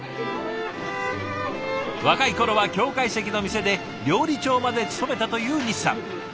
若い頃は京懐石の店で料理長まで務めたという西さん。